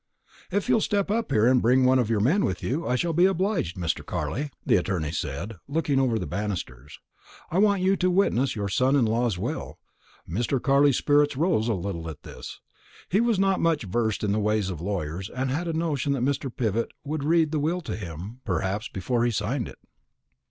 "If you'll step up here, and bring one of your men with you, I shall be obliged, Mr. Carley," the attorney said, looking over the banisters; "I want you to witness your son in law's will." Mr. Carley's spirits rose a little at this. He was not much versed in the ways of lawyers, and had a notion that Mr. Pivott would read the will to him, perhaps, before he signed it.